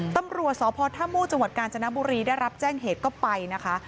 ตำรวจสพท่ามู่จังหวัดกาญจนบุรีได้รับแจ้งเหตุก็ไปนะคะ